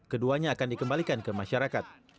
keduanya akan dikembalikan ke masyarakat